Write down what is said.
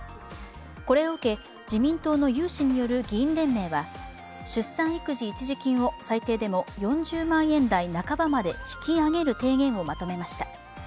これを受け、自民党の有志による議員連盟は出産育児一時金を最低でも４０万円台半ばまで引き上げる提言をまとめました。